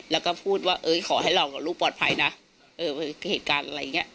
แล้วก็พูดว่าเอ้ยขอให้เรากับลูกปลอดภัยนะเออเหตุการณ์อะไรอย่างเงี้